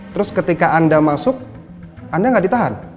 terus ketika anda masuk anda nggak ditahan